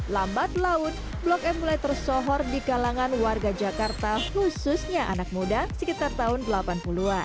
lambat laun blok m mulai tersohor di kalangan warga jakarta khususnya anak muda sekitar tahun delapan puluh an